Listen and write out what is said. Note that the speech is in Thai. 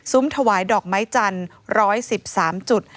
ถวายดอกไม้จันทร์๑๑๓จุด